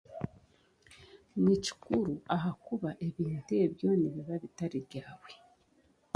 nikikuru ahakuba ebintu ebyo nibiba bitari byawe.